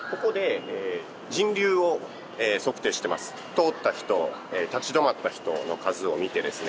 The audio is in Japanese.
通った人立ち止まった人の数を見てですね